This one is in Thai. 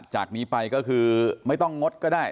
จากนี้ไปก็คือไม่ต้องงดก็ได้